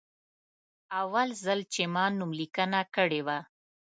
اول ځل چې ما نوملیکنه کړې وه.